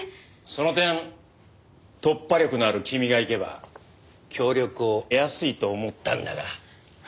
その点突破力のある君が行けば協力を得やすいと思ったんだが。